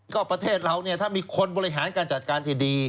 ก็ประเทศเราเนี่ยถ้ามีคนบริหารการจัดการที่ดี